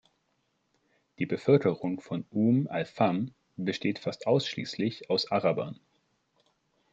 Die Bevölkerung von Umm al-Fahm besteht fast ausschließlich aus Arabern.